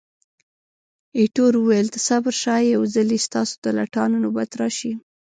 ایټور وویل، ته صبر شه، یو ځلي ستاسو د لټانو نوبت راشي.